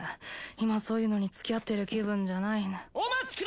今そういうのにつきあっている気分じゃないんだ。